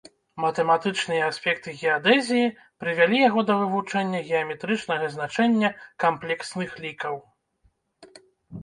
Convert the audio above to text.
Матэматычныя аспекты геадэзіі, прывялі яго да вывучэння геаметрычнага значэння камплексных лікаў.